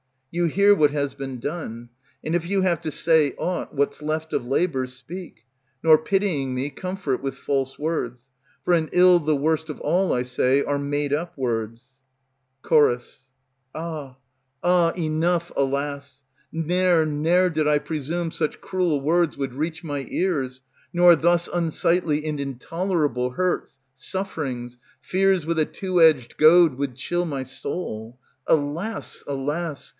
You hear what has been done; and if you have to say aught, What's left of labors, speak; nor pitying me Comfort with false words; for an ill The worst of all, I say, are made up words. Ch. Ah! ah! enough, alas! Ne'er, ne'er did I presume such cruel words Would reach my ears, nor thus unsightly And intolerable hurts, sufferings, fears with a two edged Goad would chill my soul; Alas! alas!